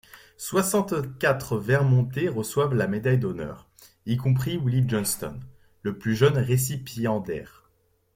Soixante-quatre vermonters reçoivent la médaille d'honneur, y compris Willie Johnston, le plus jeune récipiendaire.